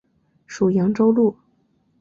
属扬州路。